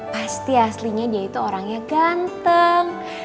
pasti aslinya dia itu orangnya ganteng